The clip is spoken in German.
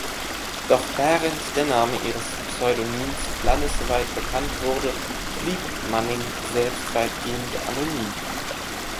Doch während der Name ihres Pseudonyms landesweit bekannt wurde, blieb Manning selbst weitgehend anonym.